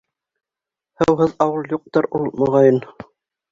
Һыуһыҙ ауыл юҡтыр ул, моғайын.